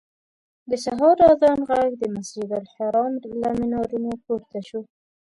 د سهار اذان غږ د مسجدالحرام له منارونو پورته شو.